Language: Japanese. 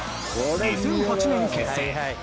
２００８年結成。